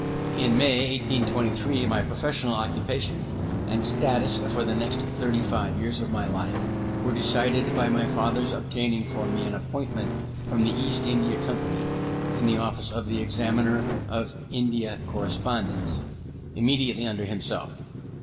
In May, 1823, my professional occupation and status for the next thirty five years of my life, were decided by my father's obtaining for me an appointment from the East India Company, in the office of the Examiner of India Correspondence, immediately under himself.